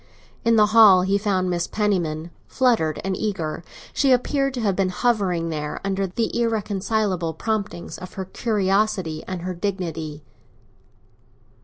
In the hall he found Mrs. Penniman, fluttered and eager; she appeared to have been hovering there under the irreconcilable promptings of her curiosity and her dignity.